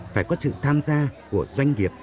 phải có sự tham gia của doanh nghiệp